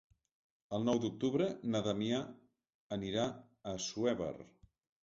El nou d'octubre na Damià anirà a Assuévar.